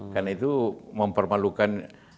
karena itu mempermalukan